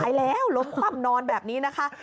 แล้วล้มคว่ำนอนแบบนี้นะคะ